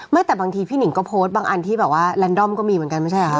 แต่บางทีพี่หนิงก็โพสต์บางอันที่แบบว่าแลนดอมก็มีเหมือนกันไม่ใช่เหรอคะ